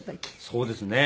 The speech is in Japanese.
そうですね。